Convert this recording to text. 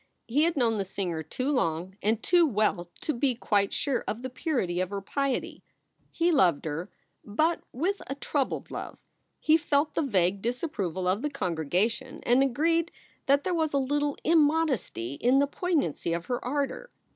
He had known the singer too long and too well to be quite sure of the purity of her piety. He loved her, but with a troubled love. He felt the vague disapproval of the congregation and agieed that there was a little im modesty in the poignancy of her ardor.